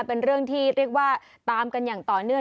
เป็นเรื่องที่เรียกว่าตามกันอย่างต่อเนื่อง